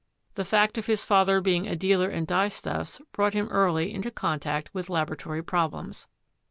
The fact of his father being a dealer in dye stuffs brought him early into contact with laboratory problems.